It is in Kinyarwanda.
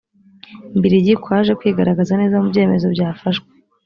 mbirigi kwaje kwigaragaza neza mu byemezo byafashwe